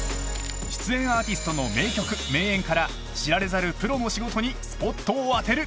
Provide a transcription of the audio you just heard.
［出演アーティストの名曲名演から知られざるプロの仕事にスポットを当てる］